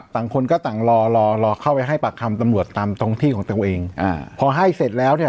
หลอกเขาให้ปลักคำตำรวจตามตรงที่ของตัวเองพอให้เสร็จแล้วเนี่ย